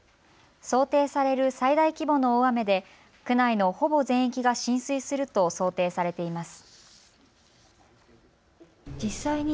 想定される最大規模の大雨で区内のほぼ全域が浸水すると想定されています。